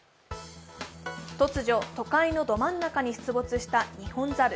突如、都会のど真ん中に出没したニホンザル。